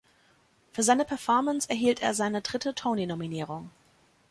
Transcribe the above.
Für seine Performance erhielt er seine dritte Tony-Nominierung.